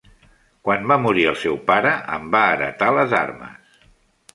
Quan va morir el seu pare, en va heretar les armes.